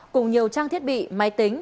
cùng nhiều trang thiết bị máy tính